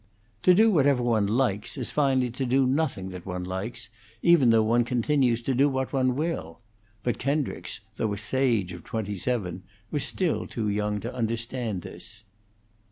To do whatever one likes is finally to do nothing that one likes, even though one continues to do what one will; but Kendricks, though a sage of twenty seven, was still too young to understand this.